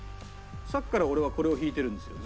さっきから俺はこれを引いてるんですよ